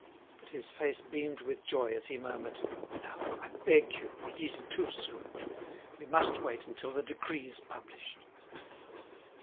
But his face beamed with joy, as he murmured: "No, I beg you, it is too soon. We must wait until the decree is published."